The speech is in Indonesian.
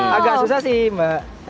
agak susah sih mbak